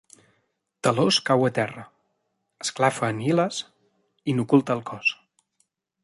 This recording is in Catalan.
Talos cau a terra, esclafa en Hilas i n'oculta el cos.